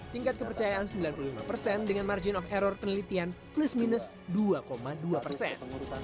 tingkat kepercayaan sembilan puluh lima persen dengan margin of error penelitian plus minus dua dua persen